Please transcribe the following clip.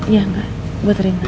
ya nggak buat rina